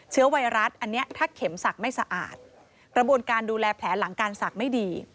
เชื้อไวรัสอันนี้ถ้าเข็มสักไม่สะอาดกระบวนการดูแลแผลหลังการสักไม่ดี